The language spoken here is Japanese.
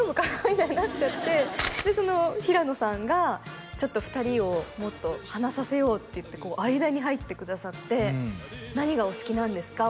みたいになっちゃってその平埜さんがちょっと２人をもっと話させようっていってこう間に入ってくださって「何がお好きなんですか？